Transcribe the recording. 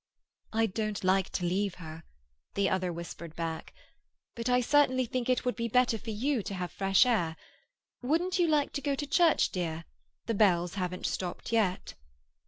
"I don't like to leave her," the other whispered back. "But I certainly think it would be better for you to have fresh air. Wouldn't you like to go to church, dear? The bells haven't stopped yet."